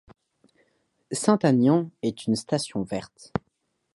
Saint-Aignan est une station verte.